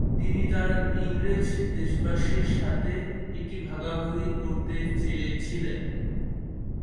তিনি তার ইংরেজ দেশবাসীর সাথে এটি ভাগাভাগি করতে চেয়েছিলেন।